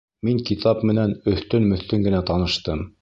Мин китап менән өҫтән-мөҫтән генә таныштым